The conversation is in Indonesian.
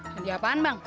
hadiah apaan bang